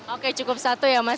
oke cukup satu ya mas